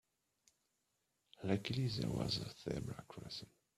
Luckily there was a zebra crossing.